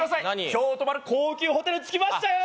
今日泊まる高級ホテルに着きましたよ